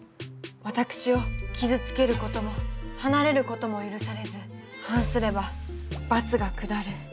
私を傷つけることも離れることも許されず反すれば罰が下る。